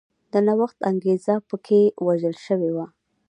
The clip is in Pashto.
د نوښت انګېزه په کې وژل شوې وه.